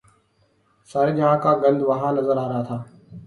سارے جہان کا گند وہاں نظر آ رہا تھا۔